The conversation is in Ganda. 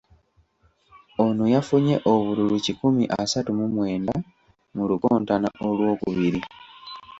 Ono yafunye obululu kikumi asatu mu mwenda mu lukontana olwokubiri.